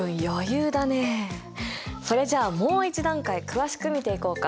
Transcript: それじゃもう一段階詳しく見ていこうか。